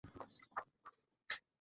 আমি তোমায় ভালোবাসি!